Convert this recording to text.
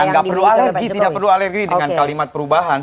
iya nggak perlu alergi tidak perlu alergi dengan kalimat perubahan